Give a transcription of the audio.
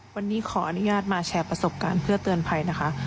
วันนี้ขออนุญาตมาแชร์ประสบการณ์เพื่อเตือนภัยนะคะ